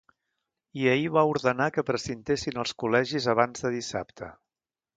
I ahir va ordenar que precintessin els col·legis abans de dissabte.